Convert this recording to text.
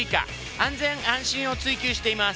安全安心を追求しています。